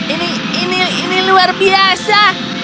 ini ini luar biasa